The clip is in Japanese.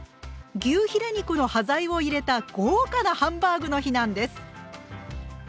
牛ヒレ肉の端材を入れた豪華なハンバーグの日なんです。